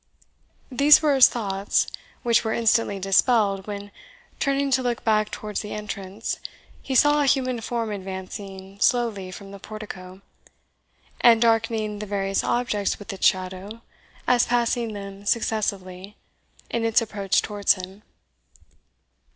These were his thoughts, which were instantly dispelled when, turning to look back towards the entrance, he saw a human form advancing slowly from the portico, and darkening the various objects with its shadow, as passing them successively, in its approach towards him.